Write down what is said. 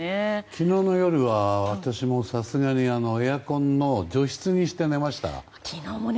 昨日の夜は私も、さすがにエアコンの除湿にして寝ました。